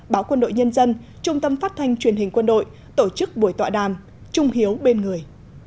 báo quân đội nhân dân trung tâm phát thanh truyền hình quân đội tổ chức buổi tọa đàm trung hiếu bên người